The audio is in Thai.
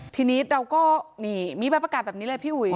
ทีนี้เราก็นี่มีใบประกาศแบบนี้เลยพี่อุ๋ย